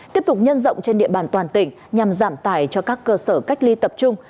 tiếp tục nhân rộng trên địa bàn toàn tỉnh nhằm giảm tài cho các cơ sở cách ly tập trung